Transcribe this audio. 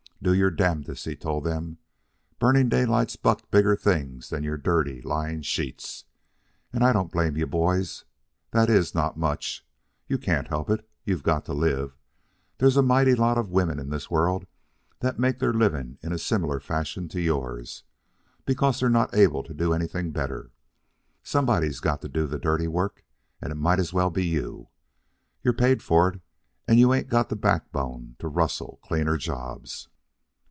"Do your damnedest," he told them. "Burning Daylight's bucked bigger things than your dirty, lying sheets. And I don't blame you, boys... that is, not much. You can't help it. You've got to live. There's a mighty lot of women in this world that make their living in similar fashion to yours, because they're not able to do anything better. Somebody's got to do the dirty work, and it might as well be you. You're paid for it, and you ain't got the backbone to rustle cleaner jobs."